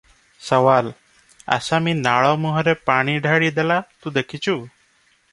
ସୱାଲ - ଆସାମୀ ନାଳ ମୁହଁରେ ପାଣି ଢାଳି ଦେଲା, ତୁ ଦେଖିଛୁ?